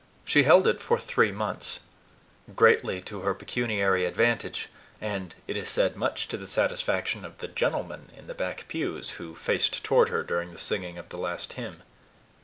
She held it for three months, greatly to her pecuniary advantage, and, it is said, much to the satisfaction of the gentlemen in the back pews, who faced toward her during the singing of the last hymn.